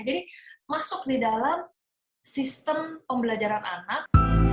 jadi masuk di dalam sistem pembelajaran anak